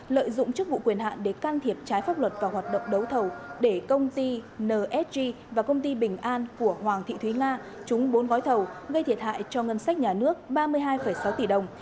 lợi dụng chức vụ quyền hạn để can thiệp trái pháp luật vào hoạt động đấu thầu để công ty nsg và công ty bình an của hoàng thị thúy nga trúng bốn gói thầu gây thiệt hại cho ngân sách nhà nước ba mươi hai sáu tỷ đồng